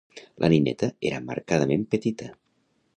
La nineta era marcadament petita.